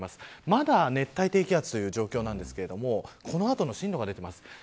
まだ熱帯低気圧の状況ですがこの後の進路が出ています。